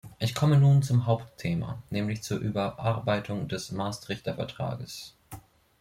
Ich komme nun zum Hauptthema, nämlich zur Überarbeitung des Maastrichter Vertrags.